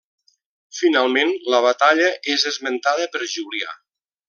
Finalment la batalla és esmentada per Julià.